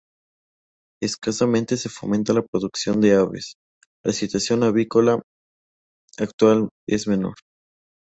Escasamente se fomenta la producción de aves, la situación avícola actual es menor.